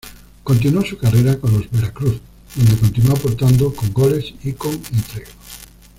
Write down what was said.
Continuó su carrera con los Veracruz, donde continuó aportando con goles y con entrega.